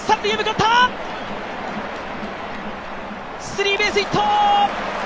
スリーベースヒット！